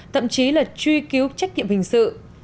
thậm chí là truy cứu trách nhiệm hình sự